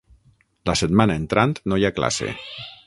La setmana entrant no hi ha classe.